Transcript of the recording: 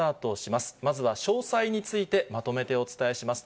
まずは詳細について、まとめてお伝えします。